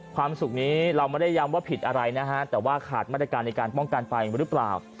ความสุขนี้เราไม่ได้ย้ำว่าผิดอะไรนะฮะแต่ว่าขาดมาตรการในการป้องกันไปหรือเปล่า